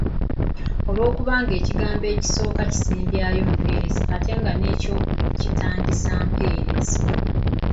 Olw’okuba ekigambo ekisooka kisembyayo mpeerezi ate nga n’ekyokubiri kitandisa mpeerezi.